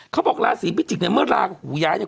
เขาบอกราศีพิจิกเนี่ยเมื่อลาหูย้ายเนี่ย